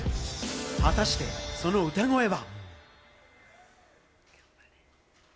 果たして、その歌声は。